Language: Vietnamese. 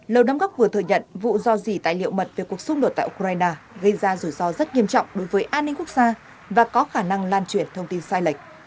lầu đám góc vừa thừa nhận vụ do dì tài liệu mật về cuộc xung đột tại ukraine gây ra rủi ro rất nghiêm trọng đối với an ninh quốc gia và có khả năng lan truyền thông tin sai lệch